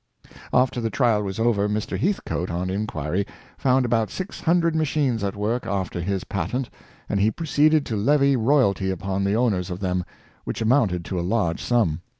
After the trial was over, Mr. Heathcoat, on inquiry, found about six hundred machines at work after his patent, and he proceeded to levy royalty upon the own ers of them, which amounted to a large sum.